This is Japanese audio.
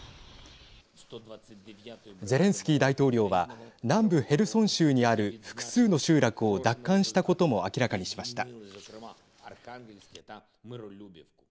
ゼレンスキー大統領は南部ヘルソン州にある複数の集落を奪還したことも明らかにしました。